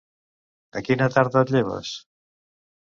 A quina tarda et lleves?